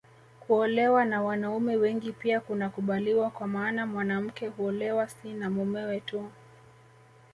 Kuolewa na wanaume wengi pia kunakubaliwa kwa maana mwanamke huolewa si na mumewe tu